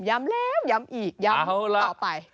ย้ำแล้วย้ำอีกย้ำต่อไป